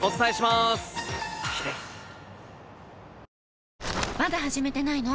まだ始めてないの？